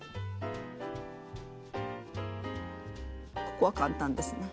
ここは簡単ですね。